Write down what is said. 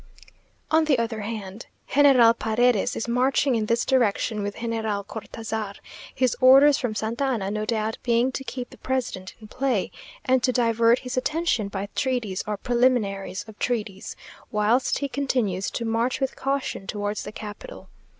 On the other hand, General Paredes is marching in this direction with General Cortazar, his orders from Santa Anna no doubt being to keep the president in play, and to divert his attention by treaties or preliminaries of treaties, whilst he continues to march with caution towards the capital.